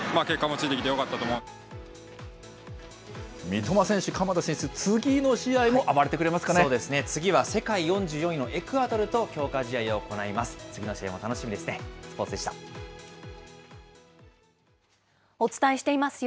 三笘選手、鎌田選手、そうですね、次は世界４４位のエクアドルと強化試合を行います。